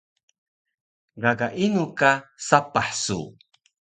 Gaga inu ka sapah su?